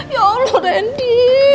ya allah randy